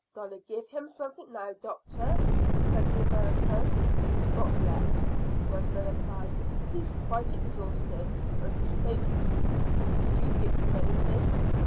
"Going to give him something now, doctor?" said the American. "Not yet," was the reply. "He is quite exhausted, and disposed to sleep. Did you give him anything?"